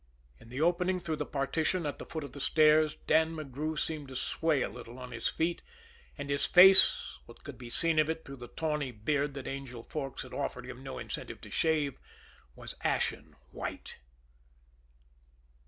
In the opening through the partition at the foot of the stairs, Dan McGrew seemed to sway a little on his feet, and his face, what could be seen of it through the tawny beard that Angel Forks had offered him no incentive to shave, was ashen white.